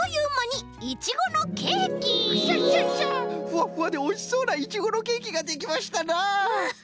ふわふわでおいしそうなイチゴのケーキができましたな！